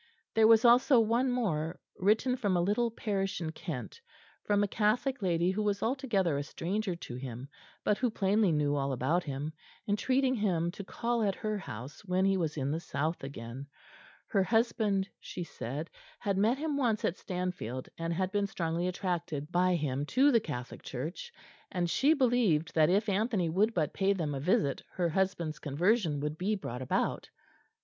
There was also one more, written from a little parish in Kent, from a Catholic lady who was altogether a stranger to him, but who plainly knew all about him, entreating him to call at her house when he was in the south again; her husband, she said, had met him once at Stanfield and had been strongly attracted by him to the Catholic Church, and she believed that if Anthony would but pay them a visit her husband's conversion would be brought about.